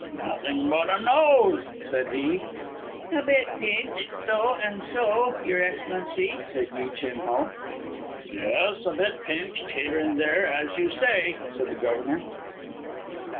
"Nothing but a nose," said he. "A bit pinched, so, and so, Your Excellency," said Yi Chin Ho. "Yes, a bit pinched here and there, as you say," said the Governor.